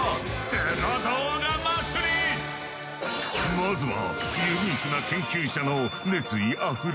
まずは。